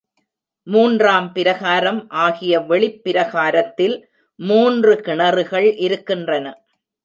மூன்றாம் பிரகாரம் ஆகிய வெளிப்பிரகாரத்தில் மூன்று கிணறுகள் இருக்கின்றன.